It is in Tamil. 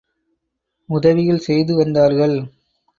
உதவிகள் செய்து வந்தார்கள்.